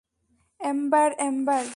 Ember, ember.